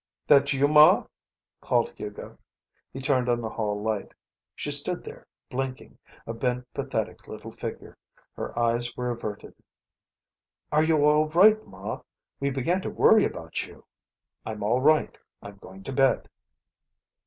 "That you, Ma?" called Hugo. He turned on the hall light. She stood there, blinking, a bent, pathetic little figure. Her eyes were averted. "Are you all right, Ma? We began to worry about you." "I'm all right. I'm going to bed."